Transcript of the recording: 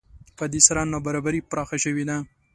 په دې سره نابرابري پراخه شوې ده